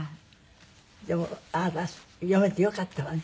でもあなた読めてよかったわね。